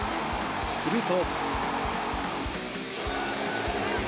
すると。